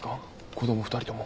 子供２人とも。